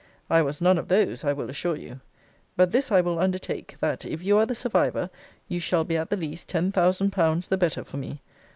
I was none of those, I will assure you. But this I will undertake, that, if you are the survivor, you shall be at the least ten thousand pounds the better for me.